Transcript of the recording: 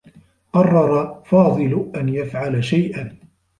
قرّر فاضل أن يفعل شيئا.